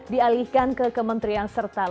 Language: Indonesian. dialihkan ke kementerian serantau